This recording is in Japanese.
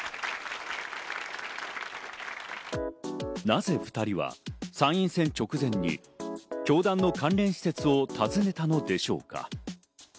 なぜ２人は参院選直前に教団の関連施設を訪ねたのでしょうか？